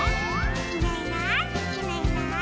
「いないいないいないいない」